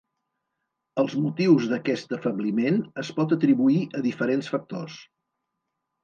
Els motius d'aquest afebliment es pot atribuir a diferents factors.